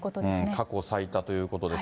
過去最多ということです。